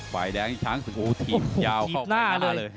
บ่ายแดงช้างสกุทีถีบยาวเพ้าไปหน้าเลย